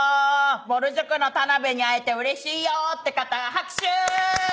ぼる塾の田辺に会えてうれしいよって方拍手！